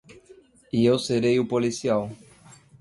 E eu serei o policial.